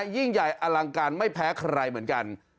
ยิ่งใหญ่อลังการไม่แพ้ใครเหมือนกัน